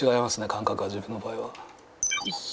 感覚が自分の場合は。